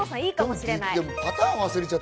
いいかもしれない。